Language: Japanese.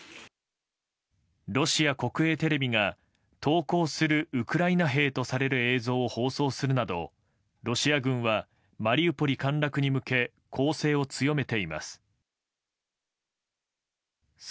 ロシア国営テレビが投降するウクライナ兵とされる映像を放送するなど、ロシア軍はマリウポリ陥落に向け攻勢を強めています。